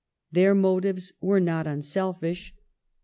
Their motives were not unselfish.